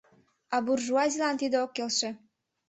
А буржуазийлан тиде ок келше.